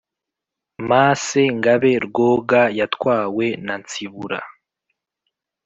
Masse Ngabe Rwoga yatwawe na Nsibura